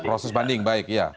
proses banding baik ya